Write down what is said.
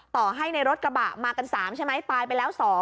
ต่อให้ในรถกระบะมากัน๓ใช่ไหมตายไปแล้ว๒